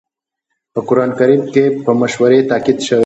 په قرآن کريم کې په مشورې تاکيد شوی.